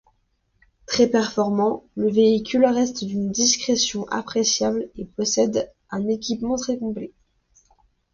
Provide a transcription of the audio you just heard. Très performant, le véhicule reste d'une discrétion appréciable et possède un équipement très complet.